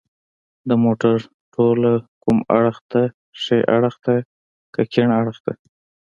د موټر توله کوم اړخ ته ده ښي اړخ که کیڼ اړخ ته